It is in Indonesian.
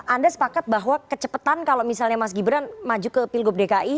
anda sepakat bahwa kecepatan kalau misalnya mas gibran maju ke pilgub dki